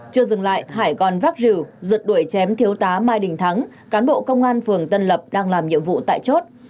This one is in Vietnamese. chưa dừng lại hải còn vác rìu giật đuổi chém thiếu tá mai đình thắng cán bộ công an phường tân lập đang làm nhiệm vụ tại chốt